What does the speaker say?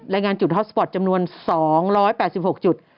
งานจุดฮอสปอร์ตจำนวน๒๘๖จุด